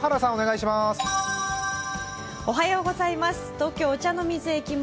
東京・御茶ノ水駅前。